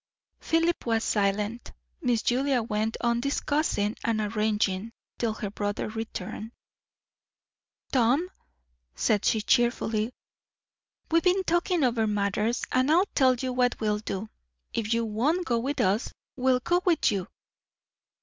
Philip was silent. Miss Julia went on discussing and arranging; till her brother returned. "Tom," said she cheerfully, "we've been talking over matters, and I'll tell you what we'll do if you won't go with us, we will go with you!"